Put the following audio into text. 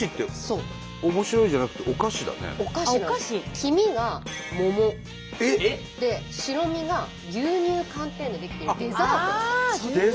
黄身が桃で白身が牛乳寒天で出来ているデザートです。